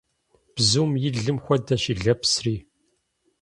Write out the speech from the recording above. Бзум и лым хуэдэщ и лэпсри.